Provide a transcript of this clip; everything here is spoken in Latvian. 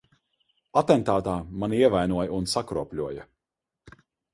Atentātā mani ievainoja un sakropļoja.